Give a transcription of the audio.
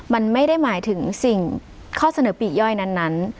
มันไม่ได้หมายถึงสิ่งข้อเสนอปีกย่อยนั้น